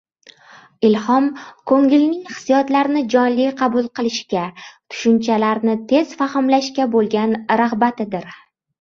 “Ilhom – koʻngilning hissiyotlarni jonli qabul qilishga, tushunchalarni tez fahmlashga boʻlgan ragʻbatidir.